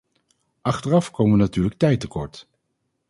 Achteraf komen we natuurlijk tijd tekort.